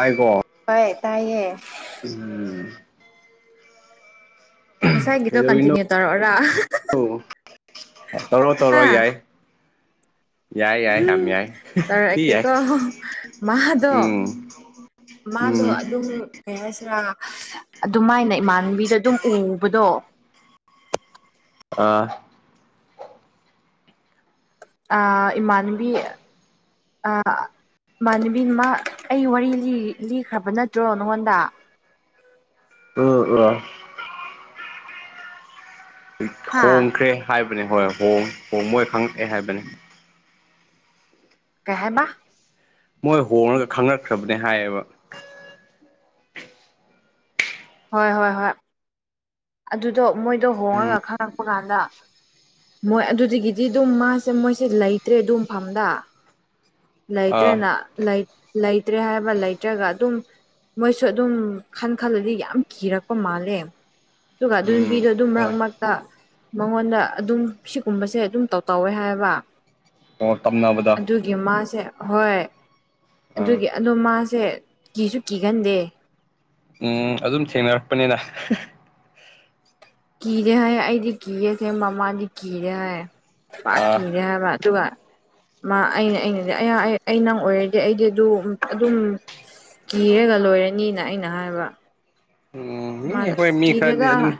ꯥꯑꯩꯀꯣ ꯍꯣꯏ ꯇꯥꯏꯌꯦ [unintelligible] [unintelligible] ꯉꯁꯥꯏꯒꯤꯗꯣ ꯀꯟꯇꯤꯅ꯭ꯌꯨ ꯇꯧꯔꯛꯑꯣꯔꯥ ꯑ‌ꯣ ꯇꯧꯔꯣ ꯇꯧꯔꯣ ꯍꯥ ꯌꯥꯏ ꯌꯥꯏ ꯌꯥꯏ ꯌꯥꯝ ꯌꯥꯏ ꯊꯤ ꯌꯥꯏ ꯇꯧꯔꯛꯑꯒꯦꯀꯣ ꯃꯥꯗꯣ ꯎꯝ ꯃꯥꯗꯣ ꯎꯝ ꯑꯗꯨꯝ ꯀꯩ ꯍꯥꯏꯁꯤꯔꯥ ꯑꯗꯨꯝꯃꯥꯏꯅ ꯏꯃꯥꯟꯕꯤꯗ ꯑꯗꯨꯝ ꯎꯕꯗꯣ ꯑꯥ ꯑ ꯏꯃꯥꯟꯕꯤ ꯑ ꯏꯃꯥꯟꯅꯕꯤ ꯃꯥ ꯑꯩ ꯋꯥꯔꯤ ꯂꯤ ꯂꯤꯈ꯭ꯔꯕ ꯅꯠꯇ꯭ꯔꯣ ꯅꯉꯣꯟꯗ ꯑꯥ ꯑꯥ ꯍꯥ ꯊ‌ꯣꯡꯈ꯭ꯔꯦ ꯍꯥꯏꯕꯅꯤ ꯍꯣꯏ ꯍꯣꯡ ꯍꯣꯡ ꯃꯣꯏ ꯍꯪꯉꯛꯑꯦ ꯍꯥꯏꯕꯅ‌ꯦ ꯀꯩ ꯍꯥꯏꯕ ꯃꯣꯏ ꯍꯣꯡꯉꯒ ꯈꯪꯉꯛꯈ꯭ꯔꯕꯅꯦ ꯍꯥꯏꯌꯦꯕ ꯍꯣꯏ ꯍꯣꯏ ꯍꯣꯏ ꯑꯗꯨꯗꯣ ꯃꯣꯏꯗꯣ ꯎꯝ ꯍꯣꯡꯉꯒ ꯈꯪꯉꯛꯄ ꯀꯥꯟꯗ ꯃꯣꯏ ꯑꯗꯨꯗꯒꯤꯗꯤ ꯑꯗꯨꯝ ꯃꯥꯁꯦ ꯃꯣꯏꯁꯦ ꯂꯩꯇ꯭ꯔꯦ ꯑꯗꯨ ꯃꯐꯝꯗ ꯑꯥ ꯂꯩꯇ꯭ꯔꯅ ꯂꯩꯇ꯭ꯔꯦ ꯍꯥꯏꯕ ꯂꯩꯇ꯭ꯔꯒ ꯑꯗꯨꯝ ꯃꯣꯏꯁꯨ ꯑꯗꯨꯝ ꯈꯟ ꯈꯜꯂꯗꯤ ꯌꯥꯝ ꯀꯤꯔꯛꯄ ꯃꯥꯜꯂꯦ ꯑꯗꯨꯒ ꯑꯗꯨ ꯎꯝ ꯅꯨꯄꯤꯗꯣ ꯑꯗꯨꯝ ꯃꯔꯛ ꯍꯣꯏ ꯃꯔꯛꯇ ꯃꯉꯣꯟꯗ ꯑꯗꯨꯝ ꯁꯤꯒꯨꯝꯕꯁꯦ ꯑꯗꯨꯝ ꯇꯧ ꯇꯧꯋꯦ ꯍꯥꯏꯑ‌ꯦꯕ ꯑꯣ ꯇꯝꯅꯕꯗꯣ ꯑꯗꯨꯒꯤ ꯃꯥꯁꯦ ꯍꯣꯏ ꯑꯥ ꯑꯗꯨꯒꯤ ꯑꯗꯣ ꯃꯥꯁꯦ ꯀꯤꯁꯨ ꯀꯤꯒꯟꯗꯦ꯫ ꯎꯝ ꯑꯗꯨꯝ ꯊꯦꯡꯅꯔꯛꯄꯅꯤꯅ ꯀꯤꯔꯦ ꯍꯥꯏ ꯑꯩꯗꯤ ꯀꯤꯔꯦꯁꯦ ꯃꯃꯥꯗꯤ ꯀꯤꯔꯦ ꯍꯥꯏ ꯑꯥ ꯄꯥꯛꯀꯤꯔꯦ ꯍꯥꯏꯕ ꯑꯗꯨꯒ ꯃꯥ ꯑꯩꯅ ꯑꯩꯅꯗꯤ ꯑ ꯅꯪ ꯑꯣꯏꯔꯗꯤ ꯑꯩꯗꯤ ꯑꯗꯨ ꯑꯗꯨꯝ ꯀꯤꯔꯒ ꯂꯣꯏꯔꯅꯤꯅ ꯑꯩꯅ ꯍꯥꯏꯕ ꯎꯝ ꯃꯥꯅ ꯑꯩꯈꯣꯏ ꯃꯤ ꯈꯔꯗꯤ ꯑꯗꯨꯝ ꯀꯤꯗꯦꯗ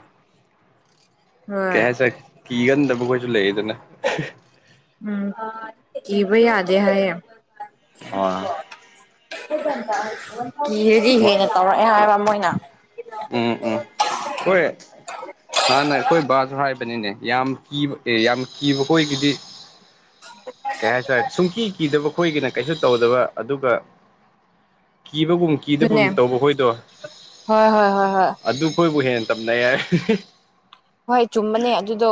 ꯍꯣꯏ ꯀꯩꯍꯥꯏꯁꯤꯔ ꯀꯤꯒꯟꯗꯕꯈꯣꯏꯁꯨ ꯂꯩꯗꯅ꯫ ꯎꯝ ꯀꯤꯕ ꯌꯥꯗꯦ ꯍꯥꯏꯌꯦ ꯑꯣ ꯀꯤꯔꯗꯤ ꯍꯦꯟꯅ ꯇꯧꯔꯛꯑꯦ ꯍꯥꯏꯕ ꯃꯣꯏꯅ ꯎꯝ ꯎꯝ ꯍꯣꯏ ꯍꯥꯟꯅ ꯑꯩꯈꯣꯏ ꯕꯥꯁꯨ ꯍꯥꯏꯕꯅꯤꯅꯦ ꯌꯥꯝ ꯀꯤꯕ ꯑꯦ ꯌꯥꯝ ꯀꯤꯕ ꯑꯩꯈꯣꯏꯒꯤꯗꯤ ꯀꯩ ꯍꯥꯏꯇ ꯁꯨꯡꯀꯤ ꯀꯤꯗꯕ ꯈꯣꯏꯒꯤꯅ ꯀꯩꯁꯨ ꯇꯧꯗꯕ ꯑꯗꯨꯒ ꯀꯤꯕꯒꯨꯝ ꯀꯤꯗꯕꯨꯝ ꯑꯗꯨꯅꯦ ꯇꯧꯕ ꯈꯣꯏꯗꯣ ꯍꯣꯏ ꯍꯣꯏ ꯍꯣꯏ ꯍꯣꯏ ꯑꯗꯨ ꯈꯣꯏꯕꯨ ꯍꯦꯟꯅ ꯇꯝꯅꯩ ꯍꯥꯏ ꯍꯣꯏ ꯆꯨꯝꯕꯅꯦ ꯑꯗꯨꯗꯣ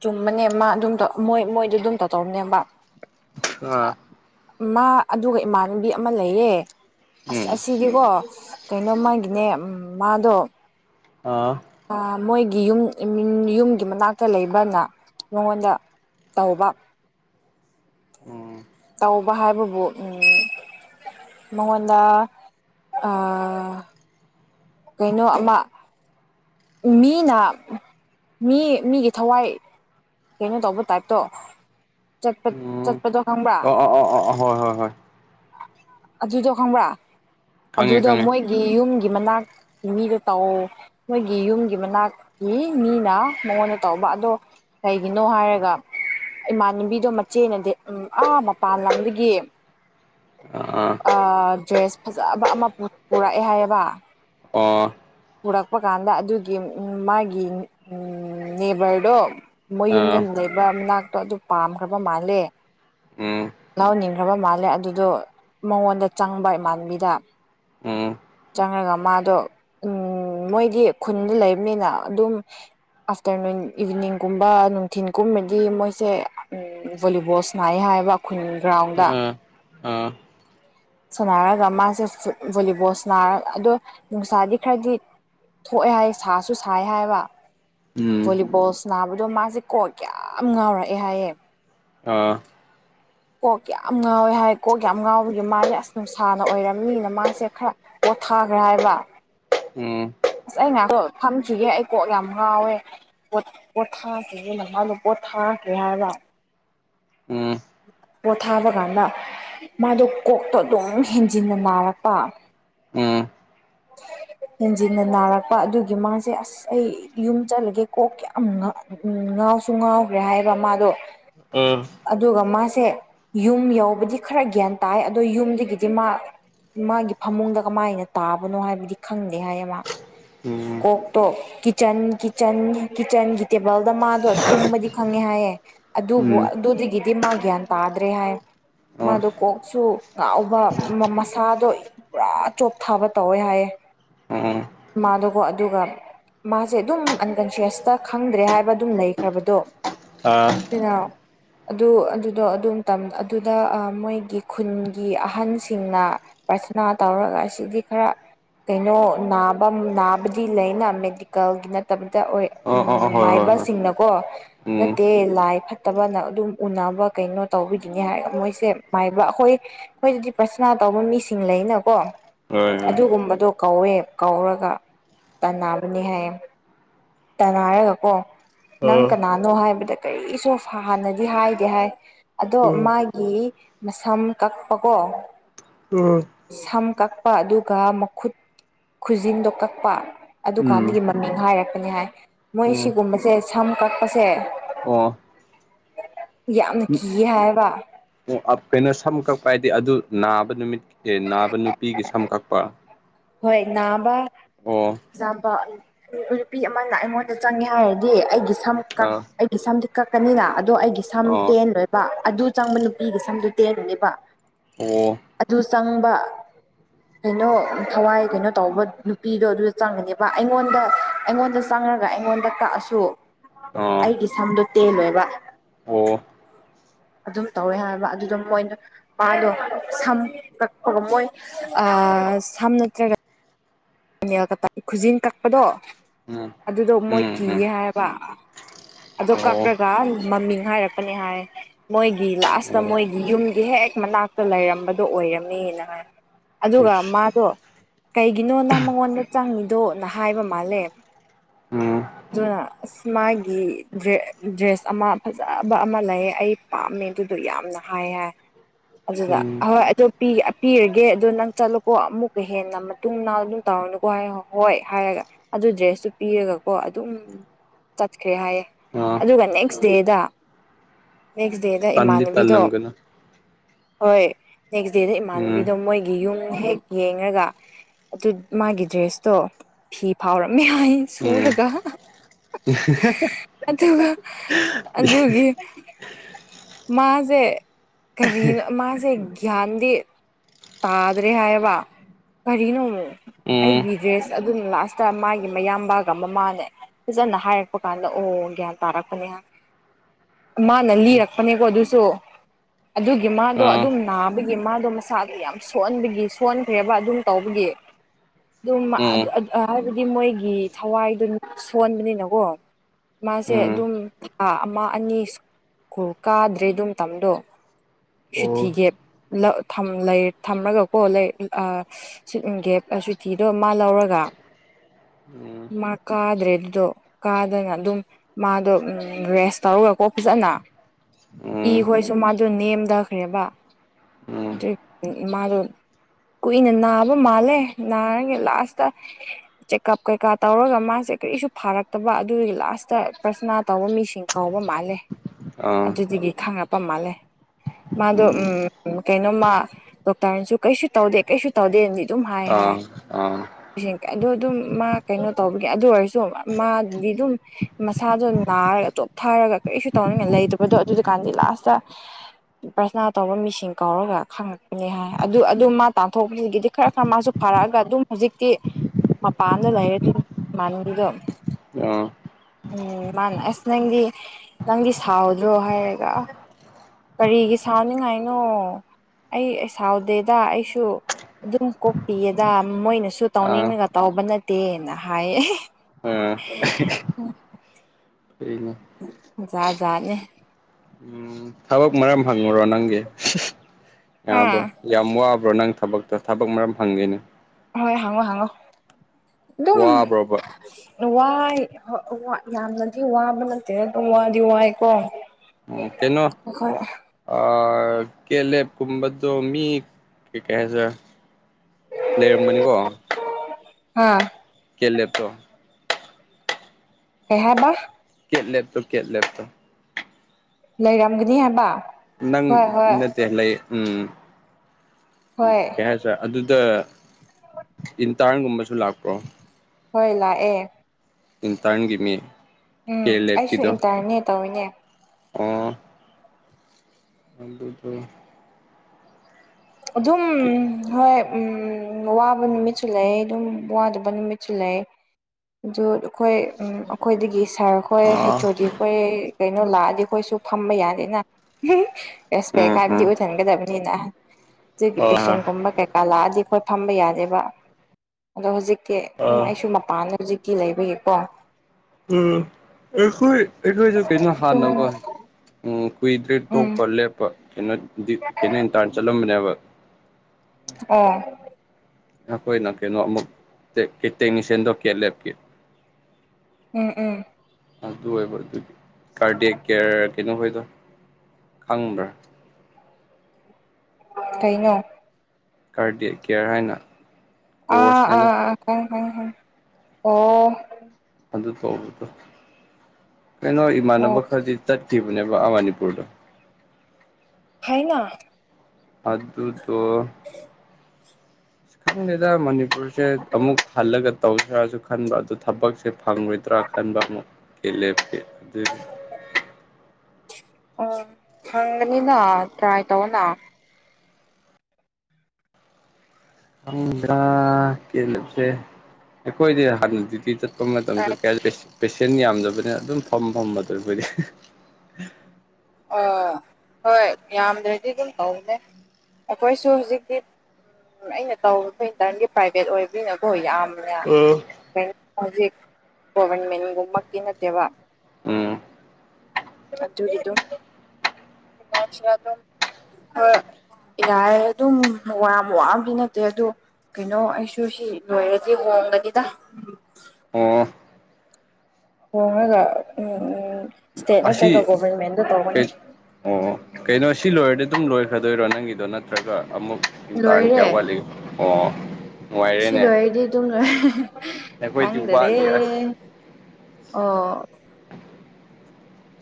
ꯆꯨꯝꯕꯅꯦ ꯃꯥ ꯑꯗꯨꯝ ꯃꯣꯏ ꯃꯣꯏꯗꯣ ꯑꯗꯨꯝ ꯇꯧꯆꯧꯅꯦꯕ ꯑꯥ ꯃꯥ ꯑꯗꯨꯒ ꯏꯃꯥꯟꯅꯕꯤ ꯑꯃ ꯂꯩꯌꯦ ꯑꯁ ꯎꯝ ꯑꯁꯤꯗꯤꯀꯣ ꯀꯩꯅꯣꯝ ꯃꯥꯒꯤꯅꯦ ꯃꯥꯗꯣ ꯑꯥ ꯃꯣꯏꯒꯤ ꯌꯨꯝ ꯌꯨꯝꯒꯤ ꯃꯅꯥꯛꯇ ꯂꯩꯕꯅ ꯃꯉꯣꯟꯗ ꯇꯧꯕ ꯑ‌ꯣ ꯇꯧꯕ ꯍꯥꯏꯕꯕꯨ ꯃꯉꯣꯟꯗ ꯑꯥ ꯀꯩꯅꯣ ꯑꯃ ꯃꯤꯅ ꯃꯤ ꯃꯤꯒꯤ ꯊꯋꯥꯏ ꯀꯩꯅꯣ ꯇꯧꯕ ꯇꯥꯏꯞꯇꯣ ꯆꯠꯄ ꯎꯝ ꯆꯠꯄꯗꯣ ꯈꯪꯕ꯭ꯔ ꯑꯣ ꯑꯣ ꯑꯣ ꯑꯣ ꯍꯣꯏ ꯍꯣꯏ ꯍꯣꯏ ꯑꯗꯨꯗꯣ ꯈꯪꯕ꯭ꯔꯥ ꯈꯪꯉꯦ ꯑꯗꯨꯗꯣ ꯈꯪꯉꯦ ꯃꯣꯏꯒꯤ ꯌꯨꯝꯒꯤ ꯃꯅꯥꯛ ꯃꯤꯗꯣ ꯇꯧ ꯃꯣꯏꯒꯤ ꯌꯨꯝꯒꯤ ꯃꯅꯥꯛꯀꯤ ꯃꯤꯅ ꯃꯉꯣꯟꯗ ꯇꯧꯕ ꯑꯗꯣ ꯀꯩꯒꯤꯅꯣ ꯍꯥꯏꯔꯒ ꯏꯃꯥꯟꯅꯕꯤꯗꯣ ꯃꯆꯦꯅꯗꯤ ꯑꯥ ꯃꯄꯥꯟ ꯂꯝꯗꯒꯤ ꯑꯥ ꯑꯥ ꯗ꯭ꯔꯦꯁ ꯐꯖꯕ ꯑꯃ ꯄꯨꯔꯛꯑꯦ ꯍꯥꯏꯌꯦꯕ ꯑꯣ ꯄꯨꯔꯛꯄ ꯀꯥꯟꯗ ꯑꯗꯨꯒꯤ ꯃꯥꯒꯤ ꯅꯦꯕꯔꯗꯣ ꯃꯣꯏ ꯌꯨꯝꯗ ꯑꯥ ꯂꯩꯕ ꯃꯅꯥꯛꯇꯣ ꯑꯗꯨ ꯄꯥꯝꯈ꯭ꯔꯕ ꯃꯥꯜꯂꯦ ꯎꯝ ꯅꯅꯥꯎ ꯈ꯭ꯔꯕ ꯃꯥꯜꯂꯦ ꯑꯗꯨꯗꯣ ꯃꯉꯣꯟꯗ ꯆꯪꯕ ꯏꯃꯥꯟꯕꯤꯗ ꯎꯝ ꯫ ꯆꯪꯉꯒ ꯃꯥꯗꯣ ꯎꯝ ꯃꯣꯏꯗꯤ ꯈꯨꯟꯗ ꯂꯩꯕꯅꯤꯅ ꯑꯗꯨꯝ ꯑꯥꯐꯇꯔꯅꯨꯟ ꯏꯚꯤꯅꯤꯡꯒꯨꯝꯕ ꯅꯨꯡꯊꯤꯤꯟꯒꯨꯝꯕꯗꯤ ꯃꯣꯏꯁꯦ ꯚꯣꯂꯤꯕꯣꯜ ꯁꯅꯥꯥꯏ ꯍꯥꯏꯌꯦꯕ ꯑꯩꯈꯣꯏꯟ ꯒ꯭ꯔꯥꯎꯟꯗ ꯑꯥ ꯑꯥ ꯁꯥꯟꯅꯔꯒ ꯃꯥꯁꯦ ꯚꯣꯂꯤꯕꯣꯜ ꯁꯔ ꯑꯗꯣ ꯅꯨꯡꯁꯥꯗꯤ ꯈꯔꯗꯤ ꯊꯣꯛꯑꯦ ꯍꯥꯏ ꯁꯥꯁꯨ ꯁꯥꯏ ꯍꯥꯏꯕ ꯎꯝ ꯚꯣꯂꯤꯕꯣꯜ ꯅꯥꯕꯗꯣ ꯃꯥꯁꯦ ꯀꯣꯛ ꯌꯥꯝ ꯉꯥꯎꯔꯛꯑꯦ ꯍꯥꯏꯌꯦ ꯑꯥ ꯀꯣꯛ ꯌꯥꯝ ꯉꯥꯎꯋꯦ ꯍꯥꯏ ꯀꯣꯛ ꯌꯥꯝ ꯉꯥꯎꯕꯒꯤ ꯃꯥꯁꯦ ꯑꯁ ꯅꯨꯡꯁꯥꯅ ꯑꯣꯏꯔꯝꯃꯤꯅ ꯃꯥꯁꯦ ꯈꯔ ꯄꯣꯊꯥꯈ꯭ꯔꯦ ꯍꯥꯏꯕ ꯎꯝ ꯑꯁ ꯑꯩ ꯉꯥꯛꯇꯣ ꯐꯝꯈꯤꯒꯦ ꯑꯩ ꯀꯣꯛ ꯌꯥꯝ ꯉꯥꯎꯋꯦ ꯄꯣꯊꯥꯈꯤꯒꯤ ꯅꯁꯥꯗꯣ ꯄꯣꯊꯥꯀꯦ ꯍꯥꯏꯕ ꯎꯝ ꯄꯣꯊꯥꯕ ꯀꯥꯟꯗ ꯃꯥꯗꯣ ꯀꯣꯛꯇꯣ ꯑꯗꯨꯝ ꯍꯦꯟꯖꯤꯟꯅ ꯅꯥꯔꯛꯄ ꯎꯝ ꯖꯤꯟꯅ ꯅꯥꯔꯛꯄ ꯑꯗꯨꯒꯤ ꯃꯥꯁꯦ ꯑꯁ ꯑꯩ ꯌꯨꯝ ꯆꯠꯂꯒꯦ ꯀꯣꯛ ꯀ ꯑꯃꯨꯛ ꯎ ꯉꯥꯎꯁꯨ ꯉꯥꯎꯈ꯭ꯔꯦ ꯍꯥꯏꯕ ꯃꯥꯗꯣ ꯑ ꯑꯗꯨꯒ ꯃꯥꯁꯦ ꯌꯨꯝ ꯌꯎꯕꯗꯤ ꯈꯔ ꯒ꯭ꯌꯥꯟ ꯇꯥꯏ ꯑꯗꯣ ꯌꯨꯝꯗꯒꯤꯗꯤ ꯃꯥ ꯃꯥꯒꯤ ꯐꯃꯨꯡꯗ ꯀꯃꯥꯏꯅ ꯇꯥꯕꯅꯣ ꯍꯥꯏꯕꯗꯤ ꯈꯪꯗꯦ ꯍꯥꯏꯌꯦ ꯑꯃ ꯎꯝ ꯀꯣꯛꯇꯣ ꯀꯤꯠꯆꯟ ꯀꯤꯠꯆꯟ ꯀꯤꯠꯆꯟꯒꯤ ꯇꯦꯕꯜꯗ ꯃꯥꯗꯣ ꯇꯨꯝꯕꯗꯤ ꯈꯪꯉꯦ ꯍꯥꯏꯌꯦꯦ ꯑꯗꯨꯕꯨ ꯎꯝ ꯑꯗꯨꯗꯒꯤꯗꯤ ꯃꯥ ꯒ꯭ꯌꯥꯟ ꯇꯥꯗ꯭ꯔꯦ ꯍꯥꯏ ꯑꯥ ꯃꯥꯗꯣ ꯀꯣꯛꯁꯨ ꯉꯥꯎꯕ ꯃꯁꯥꯗꯣ ꯄꯨꯔꯥ ꯆꯣꯞ ꯊꯥꯕ ꯇꯧꯋꯦ ꯍꯥꯏꯌꯦꯦ ꯎꯝ ꯏꯃꯥꯗꯀꯣ ꯑꯗꯨꯒ ꯃꯥꯁꯦ ꯑꯗꯨꯝ ꯑꯟꯀꯟꯁꯤꯌꯁꯇ ꯈꯪꯗ꯭ꯔꯦ ꯍꯥꯏꯕ ꯑꯗꯨꯝ ꯂꯩꯈ꯭ꯔꯕꯗꯣ ꯑꯥ ꯐꯔꯥꯎ ꯑꯗꯨ ꯑꯗꯨꯗꯣ ꯑꯗꯨ ꯑꯗꯨꯗ ꯃꯣꯏꯒꯤ ꯈꯨꯟꯒꯤ ꯑꯍꯟꯁꯤꯡꯅ ꯄ꯭ꯔꯥꯊꯅꯥ ꯇꯧꯔꯒ ꯑꯁꯤꯗꯤ ꯈꯔ ꯀꯩꯅꯣ ꯅꯥ ꯅꯥꯕꯗꯤ ꯂꯩꯅ ꯃꯦꯗꯤꯀꯦꯜꯒꯤ ꯅꯠꯇꯕꯤꯗ ꯑꯣꯏ ꯑꯥ ꯑꯥ ꯍꯣꯏ ꯍꯣꯏ ꯍꯣꯏ ꯃꯥꯏꯕꯁꯤꯡꯅꯀꯣ ꯎꯝ ꯅꯠꯇꯦ ꯂꯥꯏ ꯐꯠꯇꯕꯅ ꯑꯗꯨꯝ ꯎꯅꯕ ꯀꯩꯅꯣ ꯇꯧꯕꯤꯗꯨꯅꯤ ꯍꯥꯏꯔꯒ ꯃꯣꯏꯁꯦ ꯃꯥꯏꯕ ꯑꯩꯈꯣꯏ ꯑꯩꯈꯣꯏꯗꯗꯤ ꯄ꯭ꯔꯁꯅꯥ ꯇꯧꯕ ꯃꯤꯁꯤꯡ ꯂꯩꯅꯀꯣ ꯍꯣꯏ ꯑꯗꯨꯒꯨꯝꯕꯗꯣ ꯀꯧꯋꯦ ꯀꯧꯔꯒ ꯇꯕꯅꯤ ꯍꯥꯏꯌꯦ ꯇꯅꯔꯒꯀꯣ ꯅꯪ ꯀꯅꯥꯅꯣ ꯍꯥꯏꯕꯗ ꯀꯔꯤꯁꯨ ꯍꯥꯟꯅꯗꯤ ꯍꯥꯏꯒꯦ ꯍꯥꯏ ꯑꯗꯣ ꯃꯥꯒꯤ ꯃꯁꯝ ꯀꯛꯄꯀꯣ ꯎꯝ ꯁꯝ ꯀꯛꯄ ꯑꯗꯨꯒ ꯃꯈꯨꯠ ꯈꯨꯖꯤꯟꯗꯣ ꯀꯛꯄ ꯎꯝ ꯑꯗꯨꯀꯥꯟꯗꯒꯤ ꯃꯃꯤꯡ ꯍꯥꯏꯔꯛꯄꯅꯤ ꯍꯥꯏ ꯃꯣꯏ ꯎꯝ ꯁꯤꯒꯨꯝꯕꯁꯦ ꯁꯝ ꯀꯛꯄꯁꯦ ꯑꯣ ꯌꯥꯝꯅ ꯀꯤꯌꯦ ꯍꯥꯏꯕ ꯑꯣ ꯀꯩꯅꯣ ꯁꯝ ꯀꯛꯄ ꯍꯥꯏꯗꯤ ꯑꯗꯨ ꯅꯥꯕ ꯅꯨꯃꯤꯠ ꯅꯥꯕ ꯅꯨꯄꯤꯒꯤ ꯁꯝ ꯀꯛꯄ ꯍꯣꯏ ꯅꯥꯕ ꯑꯣ ꯑꯦꯛꯖꯥꯝꯄꯜ ꯅꯨꯄꯤ ꯑꯃꯅ ꯑꯩꯉꯣꯟꯗ ꯆꯪꯉꯦ ꯍꯥꯏꯔꯗꯤ ꯑꯩꯒꯤ ꯁꯝ ꯑꯥ ꯑꯩ ꯁꯝꯗꯤ ꯀꯛꯀꯅꯤꯅ ꯑꯗꯣ ꯑꯩꯒꯤ ꯁꯝ ꯑꯥ ꯇꯦꯟꯂꯣꯏꯕ ꯑꯗꯨ ꯆꯪꯕ ꯅꯨꯄꯤꯒꯤ ꯁꯝꯗꯨꯣ ꯇꯦꯟꯅꯦꯕ [inaudible] ꯑꯣ ꯑꯗꯨ ꯆꯪꯕ ꯀꯩꯅꯣ ꯊꯋꯥꯏ ꯀꯩꯅꯣ ꯇꯧꯕ ꯅꯨꯄꯤꯗꯣ ꯑꯗꯨꯗ ꯆꯪꯒꯅꯦꯕ ꯑꯩꯉꯣꯟꯗ ꯑꯩꯉꯣꯟꯗ ꯆꯪꯉꯒ ꯑꯩꯉꯣꯟꯗ ꯀꯛꯑꯁꯨ [inaudible] ꯑꯩꯒꯤ ꯁꯝꯗꯣ ꯇꯦꯜꯂꯣꯏꯕ ꯑꯣ [inaudible] ꯑꯗꯨꯝ ꯇꯧꯋꯦ ꯍꯥꯏꯕ ꯑꯗꯨꯗ ꯃꯣꯏꯅ ꯃꯥꯗꯣ ꯁꯝ ꯀꯛꯄꯒ ꯃꯣꯏ ꯁꯝ ꯅꯠꯇ꯭ꯔꯒ ꯀꯅꯤꯜꯀꯇꯥꯒꯤ ꯈꯨꯖꯤꯟ ꯀꯛꯄꯗꯣ ꯑꯗꯨꯗꯣ ꯃꯣꯏ ꯎꯝ ꯎꯝ ꯎꯝ ꯀꯤꯒꯦ ꯍꯥꯏꯕ ꯑꯗꯣ ꯑꯣ ꯀꯛꯄ꯭ꯔꯒ ꯃꯃꯤꯡ ꯍꯥꯏꯔꯛꯄꯅꯤ ꯍꯥꯏ ꯃꯣꯏꯒꯤ ꯂꯥꯁꯇ ꯑꯣ ꯃꯣꯏꯒꯤ ꯌꯨꯝꯒꯤ ꯍꯦꯛ ꯃꯅꯥꯛꯇ ꯂꯩꯔꯝꯕꯗꯣ ꯑꯣꯏꯔꯝꯃꯦꯅ ꯍꯥꯏ ꯑꯗꯨꯒ ꯏꯁ ꯃꯥꯗꯣ ꯀꯩꯒꯤꯅꯣ ꯅꯪ ꯃꯉꯣꯟꯗ ꯆꯪꯉꯤꯗꯣꯅ ꯍꯥꯏꯕ ꯃꯥꯜꯂꯦ ꯎꯝ ꯑꯗꯨꯁ ꯃꯥꯒꯤ ꯗ꯭ꯔꯦꯁ ꯑꯃ ꯐꯖꯕ ꯑꯃ ꯂꯩ ꯑꯩ ꯄꯥꯝꯃꯦ ꯑꯗꯨꯗꯣ ꯌꯥꯝꯅ ꯍꯥꯏ ꯍꯥꯏ ꯑꯗꯨꯗ ꯎꯝ ꯍꯍꯣꯏ ꯑꯗ ꯄꯤꯔꯒꯦ ꯑꯗꯣ ꯅꯪ ꯆꯠꯂꯣꯀꯣ ꯑꯃꯨꯛꯀ ꯍꯦꯟꯅ ꯃꯇꯨꯡꯅꯥꯎ ꯑꯗꯨꯝ ꯇꯥꯎꯅꯨꯀꯣ ꯍꯥꯏ ꯍꯣꯏ ꯍꯥꯏꯔꯒ ꯑꯗꯨ ꯗ꯭ꯔꯦꯁꯇꯨ ꯄꯤꯔꯒꯀꯣ ꯑꯗꯨꯝ ꯆꯠꯈ꯭ꯔꯦ ꯍꯥꯏꯌꯦꯦ ꯑꯥ ꯑꯗꯨꯒ ꯅꯦꯛꯁ ꯗꯦꯗ ꯅꯦꯛꯁ ꯗꯦꯗ ꯇꯟꯗꯤ ꯏꯃꯥꯟꯅꯕꯤꯗꯣ ꯇꯜꯂꯝꯒꯅꯤ ꯍꯣꯏ ꯅꯦꯛꯁ ꯗꯦꯗ ꯎꯝ ꯏꯃꯥꯟꯅꯕꯤꯗꯣ ꯃꯣꯏꯒꯤ ꯌꯨꯝ ꯍꯦꯛ ꯌꯦꯡꯉꯒ ꯑꯗꯨ ꯃꯥꯒꯤ ꯗ꯭ꯔꯦꯁꯇꯣ ꯐꯤ ꯐꯥꯎꯔꯝꯃꯦ ꯁꯨꯔꯒ ꯎ ꯑꯗꯨꯒ ꯑꯗꯨꯒꯤ ꯃꯥꯁꯦ ꯀꯔꯤꯅꯣ ꯃꯥꯁꯦ ꯒ꯭ꯌꯥꯟꯗꯤ ꯇꯥꯗꯔꯦ ꯍꯥꯏꯌꯦꯕ ꯀꯔꯤꯅꯣ ꯎꯝ ꯑꯩꯒꯤ ꯗ꯭ꯔꯦꯁ ꯑꯗꯨꯅ ꯂꯥꯁꯇ ꯃꯥꯒꯤ ꯃꯌꯥꯝꯕꯒ ꯃ ꯃꯥꯜꯂ ꯐꯖꯅ ꯍꯥꯏꯔꯛꯄ ꯀꯥꯟꯗ ꯑꯣ ꯒ꯭ꯌꯥꯟ ꯇꯥꯔꯛꯄꯅꯤꯍ ꯃꯥꯅ ꯂꯤꯔꯛꯄꯅꯦꯀꯣ ꯑꯗꯨꯁꯨ ꯑꯗꯨꯒꯤ ꯃꯥꯗꯣ ꯑꯥ ꯑꯗꯨꯝ ꯅꯥꯕꯒꯤ ꯃꯥꯗꯣ ꯃꯁꯥꯗꯣ ꯌꯥꯝ ꯁꯣꯟꯕꯒꯤ ꯁꯣꯟꯍꯈ꯭ꯔꯦꯕ ꯑꯗꯨꯝ ꯇꯧꯕꯒꯤ [inaudible] ꯑꯗꯨꯝ ꯎꯝ ꯍꯥꯏꯕꯗꯤ ꯃꯣꯏꯒꯤ ꯊꯋꯥꯏꯗꯨꯣ ꯁꯣꯟꯕꯅꯤꯅꯀꯣ ꯃꯥꯁꯦ ꯎꯝ ꯑꯗꯨꯝ ꯊꯥ ꯑꯃ ꯑꯅꯤ ꯈꯨ ꯀꯥꯗ꯭ꯔꯦ ꯑꯗꯨ ꯃꯇꯝꯗꯣ ꯑꯣ ꯁꯨꯇꯤꯒꯦ ꯂꯩ ꯊꯝꯃꯒꯀꯣ ꯂꯩ ꯒꯦꯞ ꯁꯨꯤꯇꯤꯗꯣ ꯃꯥ ꯂꯧꯔꯒ ꯎꯝ ꯃꯥ ꯀꯥꯗ꯭ꯔꯦ ꯑꯗꯨꯗꯣ ꯀꯥꯗꯅ ꯑꯗꯨꯝ ꯃꯥꯗꯣ ꯔꯦꯁ ꯇꯧꯔꯒꯀꯣ ꯐꯖꯅ ꯎꯝ ꯏꯈꯣꯏꯁꯨ ꯃꯥꯗꯣ ꯅꯦꯝꯊꯈ꯭ꯔꯦꯕ ꯎꯝ ꯑꯗꯨ ꯃꯥꯗꯣ ꯀꯨꯏꯅ ꯅꯥꯕ ꯃꯥꯜꯂꯦ ꯅꯥꯔꯒꯦ ꯂꯥꯁꯇ ꯆꯦꯛꯀꯞ ꯀꯩꯀꯥ ꯇꯧꯔꯒ ꯃꯥꯁꯦ ꯀꯔꯤꯁꯨ ꯐꯥꯔꯛꯇꯕ ꯑꯗꯨꯒꯤ ꯂꯥꯁ ꯄ꯭ꯔꯁꯅꯥ ꯇꯧꯕ ꯃꯤꯁꯤꯡ ꯀꯧꯕ ꯃꯥꯜꯂꯦ ꯑꯥ ꯑꯗꯨꯗꯒꯤ ꯈꯪꯉꯛꯄ ꯃꯥꯜꯂꯦ ꯃꯥꯗꯣ ꯎꯝ ꯎꯝ ꯀꯩꯅꯣꯃ ꯗꯣꯛꯇꯔꯅꯁꯨ ꯀꯩꯁꯨ ꯇꯧꯗꯦ ꯀꯩꯁꯨ ꯇꯧꯗꯦ ꯑꯗꯨꯗꯤ ꯑꯗꯨꯝ ꯍꯥꯏ ꯍꯥꯏ ꯑꯥ ꯑꯥ ꯑꯗꯨꯗ ꯑꯗꯨꯝ ꯃꯥ ꯀꯩꯅꯣ ꯇꯧꯕꯒꯤ ꯑꯗꯨ ꯑꯣꯏꯔꯁꯨ ꯃꯥꯗꯤ ꯑꯗꯨꯝ ꯃꯁꯥꯗꯣ ꯅꯥꯔꯒ ꯇꯣꯞꯊꯥꯔꯒ ꯀꯔꯤꯁꯨ ꯇꯧꯅꯤꯡꯉꯥꯏ ꯂꯩꯇꯕꯗꯣ ꯑꯗꯨꯗꯨ ꯀꯥꯟꯗꯤ ꯂꯥꯁꯇ ꯄ꯭ꯔꯁꯅꯥ ꯇꯧꯕ ꯃꯤꯁꯤꯡ ꯀꯧꯔꯒ ꯈꯪꯉꯛꯄꯅꯤ ꯍꯥꯏ ꯑꯗꯨ ꯑꯗꯨ ꯃꯥ ꯇꯥꯟꯊꯣꯛꯄꯁꯤꯗꯒꯤꯗꯤ ꯈꯔ ꯈꯔ ꯃꯥꯁꯨ ꯐꯔꯛꯑꯒ ꯑꯗꯨꯝ ꯍꯧꯖꯤꯛꯇꯤ ꯃꯄꯥꯟꯗ ꯂꯩꯔꯦ ꯑꯗꯨꯒꯤꯗꯣ ꯑ ꯎꯝ ꯃꯥꯅꯦ ꯑꯁ ꯅꯪꯗꯤ ꯅꯪꯗꯤ ꯁꯥꯎꯗ꯭ꯔꯣ ꯍꯥꯏꯔꯒ ꯀꯔꯤꯒꯤ ꯁꯥꯎꯅꯤꯡꯉꯥꯏꯅꯣ ꯑꯩ ꯁꯥꯎꯗꯦꯗ ꯑꯩꯁꯨ ꯑꯗꯨꯝ ꯀꯣꯛꯄꯤꯌꯦꯗ ꯃꯣꯏꯅꯁꯨ ꯑꯥ ꯇꯧꯅꯤꯡꯉꯒ ꯇꯧꯕ ꯅꯠꯇꯦꯅ ꯍꯥꯏꯌꯦ ꯑꯥ [unintelligible] [unintelligible] ꯖꯥꯠ ꯖꯥꯠꯅꯦ ꯎꯝ ꯊꯕꯛ ꯃꯔꯝ ꯍꯪꯉꯨꯔꯣ ꯅꯪꯒꯤ ꯍꯥ ꯌꯥꯕ꯭ꯔꯣ ꯌꯥꯝ ꯋꯥꯕ꯭ꯔꯣ ꯅꯪ ꯊꯕꯛꯇꯣ ꯊꯕꯛ ꯃꯔꯝ ꯍꯪꯒꯦꯅꯦ ꯍꯣꯏ ꯍꯥꯡꯉꯣ ꯍꯥꯡꯉꯣ ꯑꯗꯨꯝ ꯋꯥꯕ꯭ꯔꯣꯕ ꯋꯥꯏ ꯌꯥꯝꯅꯗꯤ ꯋꯥꯕ ꯅꯠꯇꯦ ꯑꯗꯨꯝ ꯋꯥꯗꯤ ꯋꯥꯏꯀꯣ ꯎꯝ ꯀꯩꯅꯣ ꯑꯩꯈꯣꯏ ꯑ ꯀꯦꯂꯦ ꯀꯨꯨꯝꯕꯣ ꯃꯤ ꯀꯩ ꯀꯦꯁꯦ ꯂꯩꯔꯝꯕꯅꯤꯀꯣ ꯍꯥꯥ ꯀꯦꯂꯦꯞꯇꯣ ꯀꯩ ꯍꯥꯏꯕ ꯀꯦ ꯂꯦꯞꯇꯣ ꯀꯠꯂꯦꯞꯇꯣ ꯂꯩꯔꯝꯒꯅꯤ ꯍꯥꯏꯕ ꯅꯪ ꯍꯣꯏ ꯍꯣꯏ ꯅꯠꯇꯦꯍ ꯂꯩ ꯎꯝ ꯍꯣꯏ ꯀꯩ ꯍꯥꯏꯁꯤꯔ ꯑꯗꯨꯗ ꯏꯟꯇꯥꯔꯟꯒꯨꯝꯕꯁꯨ ꯂꯥꯛꯄ꯭ꯔꯣ ꯍꯣꯏ ꯂꯥꯛꯑꯦ ꯏꯟꯇꯥꯟꯒꯤꯃꯤ ꯎꯝ ꯑꯩꯁꯨ ꯏꯟꯇꯔꯅꯦ ꯇꯧꯋꯤꯅꯦ ꯑꯣ ꯑꯗꯨꯗꯨꯗ ꯑꯗꯨꯝ ꯍꯣꯏ ꯎ ꯋꯥꯕ ꯅꯨꯃꯤꯠꯁꯨ ꯂꯩ ꯑꯗꯨꯝ ꯋꯥꯗꯕ ꯅꯨꯃꯤꯠꯁꯨ ꯂꯩ ꯑꯗꯨ ꯑꯩꯈꯣꯏ ꯎ ꯑꯩꯈꯣꯏꯗꯒꯤ ꯁꯥꯔ ꯍꯣꯏ ꯑꯥ ꯍꯩꯆ ꯑꯣꯗꯤ ꯑꯩꯈꯣꯏ ꯀꯩꯅꯣ ꯂꯥꯛꯑꯗꯤ ꯑꯩꯈꯣꯏꯁꯨ ꯐꯝꯕ ꯌꯥꯗꯤꯅ ꯔꯦꯁꯄꯦꯛ ꯎꯝ ꯍꯥꯏꯔꯕꯗꯤ ꯎꯝ ꯑꯣꯏꯊꯟꯒꯗꯕꯅꯤꯅ ꯑꯗꯨꯒꯤ ꯍꯣꯏ ꯍꯣꯏ ꯄꯦꯁꯦꯟꯒꯨꯝꯕ ꯀꯩꯀꯥ ꯂꯥꯛꯑꯗꯤ ꯑꯩꯈꯣꯏ ꯐꯝꯕ ꯌꯥꯗꯦꯕ ꯑꯗꯣ ꯍꯧꯖꯤꯛꯇꯤ ꯑ ꯑꯩꯁꯨ ꯃꯄꯥꯟꯗ ꯍꯧꯖꯤꯛꯇꯤ ꯂꯩꯕꯒꯤꯀꯣ ꯎꯝ ꯑꯩꯈꯣꯏ ꯑꯩꯈꯣꯏꯁꯨ ꯀꯩꯩꯅꯣ ꯑꯗꯨꯝ ꯍꯟꯅꯀꯣ ꯎꯝ ꯀꯨꯏꯗ꯭ꯔꯤ ꯎꯝ ꯇꯣꯛꯄ ꯂꯦꯞꯄ ꯀꯩꯅꯣ ꯗꯦꯞ ꯏꯟꯇꯥꯔꯟ ꯆꯠꯂꯝꯕꯅꯦꯕ ꯑꯣ ꯅꯈꯣꯏꯅ ꯀꯩꯅꯣ ꯑꯃꯨꯛ ꯇꯦꯛ ꯇꯦꯛꯅꯤꯁꯤꯌꯥꯟꯗꯣ ꯀꯦꯠ ꯂꯦꯞ ꯎꯝ ꯎꯝ ꯑꯗꯨ ꯑꯣꯏꯕ ꯑꯗꯨꯒꯤ ꯀꯥꯔꯗꯦꯛ ꯀꯦꯌꯔ ꯀꯩꯅꯣꯈꯣꯏꯗꯣ ꯈꯪꯕ꯭ꯔꯥ ꯀꯩꯅꯣ ꯀꯥꯔꯗꯤ ꯀꯌꯔ ꯍꯥꯏꯅ ꯑꯥ ꯑꯥ ꯀꯣꯔꯁꯅꯦꯗ ꯑꯥ ꯈꯪꯏ ꯈꯪꯏ ꯈꯪꯏ ꯑꯣ ꯑꯗꯨ ꯇꯧꯕꯗꯣ ꯀꯩꯅꯣ ꯏꯃꯥꯟꯅꯕ ꯑꯣ ꯈꯔꯗꯤ ꯆꯠꯈꯤꯕꯅꯦꯕꯥ ꯑꯥ ꯃꯅꯤꯄꯨꯔꯗ ꯍꯥꯏꯅ ꯑꯗꯨꯗꯣ ꯈꯪꯗꯦꯗ ꯃꯅꯤ ꯑꯃꯨꯛ ꯍꯜꯂꯒ ꯇꯧꯁꯤ꯭ꯔꯥꯁꯨ ꯈꯟꯕ ꯑꯗꯨꯗ ꯊꯕꯛꯁꯦ ꯐꯪꯔꯣꯏꯗ꯭ꯔꯥ ꯈꯟꯕ ꯑꯃꯨꯛ [unintelligible] ꯑꯥ ꯐꯪꯒꯅꯤꯅ ꯇ꯭ꯔꯥꯏ ꯇꯧꯌꯣꯅ [unintelligible] ꯑꯩꯈꯣꯏꯗꯤ ꯍꯥꯟꯅ [unintelligible] ꯀꯄ ꯃꯇꯝꯁꯨ ꯀ ꯄꯦꯁꯦꯟ ꯌꯥꯝꯗꯕꯅꯤꯅ ꯑꯗꯨꯝ ꯐꯝ ꯐꯝꯕꯗꯣ ꯑꯩꯈꯣꯏꯗꯤ ꯑ ꯍꯣꯏ ꯌꯥꯝꯗ꯭ꯔꯗꯤ ꯑꯗꯨꯝ ꯇꯧꯕꯅꯦ ꯑꯩꯈꯣꯏꯁꯨ ꯍꯧꯖꯤꯛꯇꯤ ꯑꯩꯅ ꯇꯧ ꯏꯟꯇꯔꯟꯒꯤ ꯄ꯭ꯔꯥꯏꯚꯦꯠ ꯑꯣꯏꯕꯅꯤꯅꯀꯣ ꯌꯥꯝ ꯑꯣ ꯀꯣ ꯍꯧꯖꯤꯛ ꯒꯣꯚꯔꯃꯦꯟꯒꯨꯝꯕꯀꯤ ꯅꯠꯇꯦꯕ ꯎꯝ ꯑꯗꯨ ꯑꯗꯨꯝ [unintelligible] ꯑ ꯌꯥꯏ ꯑꯗꯨꯝ ꯋꯥ ꯋꯥꯝꯕꯗꯤ ꯅꯠꯇꯦ ꯑꯗꯨ ꯀꯩꯅꯣ ꯑꯩꯁꯨ ꯁꯤ ꯂꯣꯏꯔꯗꯤ ꯍꯣꯡꯒꯅꯤꯗ ꯑꯣ ꯍꯣꯡꯉꯒ ꯎꯝ ꯏꯁ꯭ꯇꯦꯠ ꯑꯁꯤ ꯅꯠꯇ꯭ꯔꯒ ꯒꯣꯚꯔꯃꯦꯟꯗ ꯇꯧꯒꯅꯤ ꯀꯩ ꯑꯣ ꯀꯩꯅꯣ ꯁꯤ ꯂꯣꯏꯔꯗꯤ ꯑꯗꯨꯝ ꯂꯣꯏꯈ꯭ꯔꯗꯣꯏꯔꯣ ꯅꯪꯒꯤꯗꯣ ꯅꯠꯇ꯭ꯔꯒ ꯑꯃꯨꯛ ꯏꯟꯇꯔꯥꯟ ꯂꯣꯏꯔꯦ ꯀꯥꯌꯥ ꯋꯥꯠꯂꯤꯒꯦ ꯑꯣ ꯁꯤ ꯅꯨꯡꯉꯥꯏꯔꯦꯅꯦ ꯂꯣꯏꯔꯗꯤ ꯑꯗꯨꯝ ꯂꯣꯏꯔꯦ ꯑꯩꯈꯣꯏꯗꯤ ꯈꯪꯗꯔꯦ ꯋꯥꯠꯂꯤ ꯑꯁ ꯑꯣ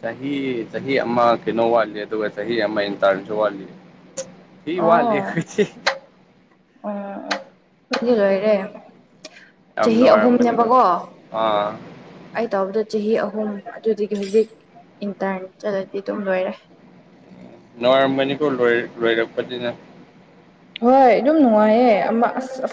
ꯆꯍꯤ ꯆꯍꯤ ꯑꯃ ꯀꯩꯅꯣ ꯋꯥꯠꯂꯤ ꯑꯗꯨꯒ ꯆꯍꯤ ꯑꯃ ꯏꯟꯇꯥꯔꯟꯁꯨ ꯋꯥꯠꯂꯤ ꯍꯤ ꯑꯣ ꯋꯥꯠꯂꯤ ꯍꯊꯤ ꯎꯝ ꯑꯗꯨꯗꯤ ꯂꯣꯏꯔꯦ ꯌꯥꯝ ꯆꯍꯤ ꯅꯨꯡꯉꯥꯏꯔꯝꯒꯅꯤꯀꯣ ꯑꯍꯨꯝꯅꯦꯕꯀꯣ ꯑꯥ ꯑꯩ ꯇꯧꯕꯗꯨ ꯆꯍꯤ ꯑꯍꯨꯝ ꯑꯗꯨꯗꯒꯤ ꯍꯧꯖꯤꯛ ꯏꯟꯇꯔꯟ ꯆꯠꯂꯗꯤ ꯑꯗꯨꯝ ꯂꯣꯏꯔꯦ ꯅꯨꯡꯉꯥꯏꯔꯝꯒꯅꯤꯀꯣ ꯂꯣꯏ ꯂꯣꯏꯔꯛꯄꯅꯤꯅ ꯍꯣꯏ ꯑꯗꯨꯝ ꯅꯨꯡꯉꯥꯏꯌꯦ ꯑꯃꯥ ꯑꯁ